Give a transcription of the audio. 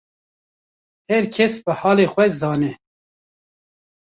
Her kes bi halê xwe zane